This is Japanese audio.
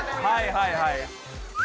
はいはいはい。